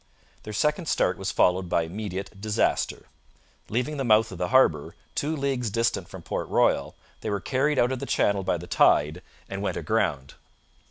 Their second start was followed by immediate disaster. Leaving the mouth of the harbour, two leagues distant from Port Royal, they were carried out of the channel by the tide and went aground.